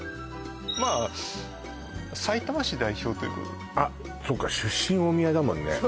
まあさいたま市代表ということであっそうか出身大宮だもんね